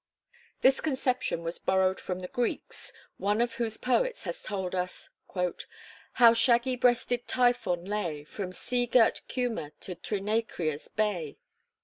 This conception was borrowed from the Greeks, one of whose poets has told us "How shaggy breasted Typhon lay, From sea girt Cuma to Trinacria's bay."